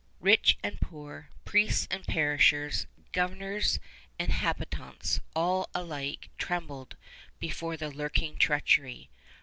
Rich and poor, priests and parishioners, governors and habitants, all alike trembled before the lurking treachery.